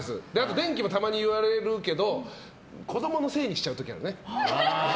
電気もたまに言われるけど子供のせいにしちゃう時あるね。